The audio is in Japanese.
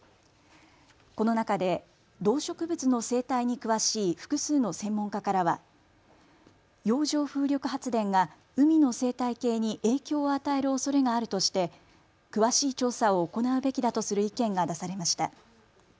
この中で動植物の生態に詳しい複数の専門家からは洋上風力発電が海の生態系に影響を与えるおそれがあるとして詳しい調査を行うべきだとする意見が出されました。